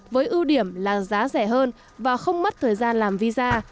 với ưu điểm là giá rẻ hơn và không mất thời gian làm visa